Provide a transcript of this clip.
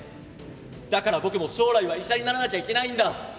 だから僕も将来は医者にならなきゃいけないんだ！